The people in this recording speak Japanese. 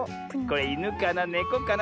いぬかなねこかな。